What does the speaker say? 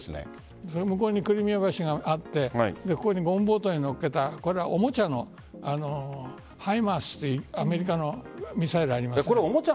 向こうにクリミア橋があってここにゴムボートに乗せたおもちゃのＨＩＭＡＲＳというアメリカのミサイルあります。